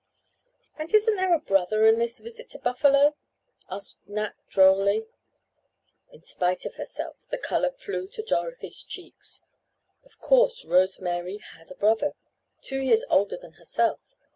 "And isn't there a brother in this visit to Buffalo?" asked Nat drolly. In spite of herself the color flew to Dorothy's cheeks. Of course Rose Mary had a brother, two years older than herself.